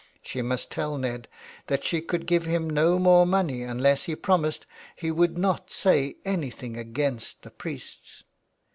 She must tell Ned that she could give him no more money unless he promised he would not say anything against the priests.